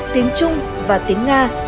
tiếng trung và tiếng nga